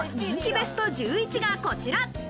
ベスト１１がこちら。